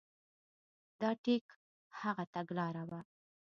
دا ټیک هغه تګلاره وه.